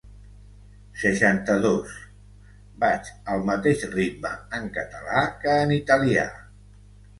Seixanta-dos vaig al mateix ritme en català que en italià.